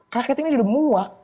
keketing ini sudah muak